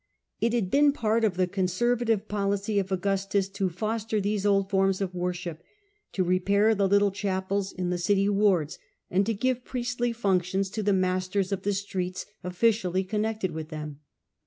It had been part of the conservative policy of Au fostered^Ky gustus to foster these old forms of worship, Augustus, to repair the little chapels in the city wards, and to give priestly functions to the masters of the streets officially connected with them.